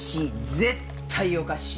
絶対おかしい！